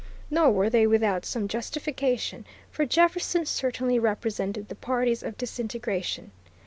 Nor were they without some justification, for Jefferson certainly represented the party of disintegration.